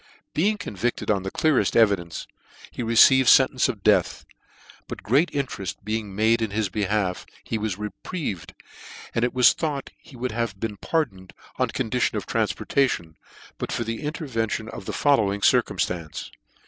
Being convicted on the cleareft evidence, he received fentence of death; but great intereft be ing made in his behalf, he was reprieved, and it was thought he would have been pardoned, oil condition of tranfportation, but for the interven tion of the following circumftance.